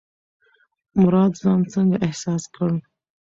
مراد ځان څنګه احساس کړ؟